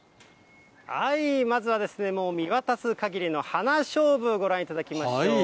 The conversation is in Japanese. まずはもう見渡す限りの花しょうぶ、ご覧いただきましょう。